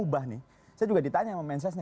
saya juga ditanya sama menses